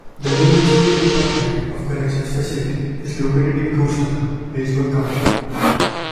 The New Hampshire Department of Corrections facility is located in Goffstown, Hillsborough County.